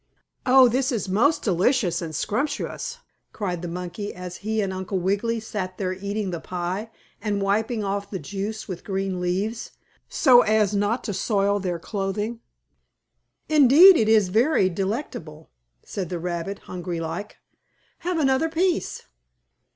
"Oh, this is most delicious and scrumptious!" cried the monkey, as he and Uncle Wiggily sat there eating the pie, and wiping off the juice with green leaves, so as not to soil their clothing. "Indeed, it is very delectable," said the rabbit, hungry like. "Have another piece."